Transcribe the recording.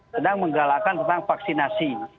sedang menggalakkan tentang vaksinasi